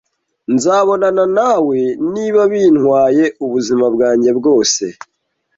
Nzabonana nawe, niba bintwaye ubuzima bwanjye bwose.